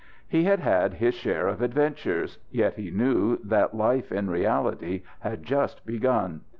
He had had his share of adventures, yet he knew that life in reality had just begun.